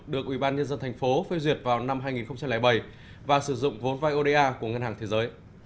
được ubnd tp phê duyệt vào năm hai nghìn bảy và sử dụng vốn vai oda của ngân hàng thế giới